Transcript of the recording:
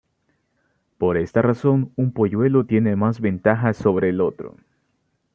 Por esta razón un polluelo tiene más ventaja sobre el otro.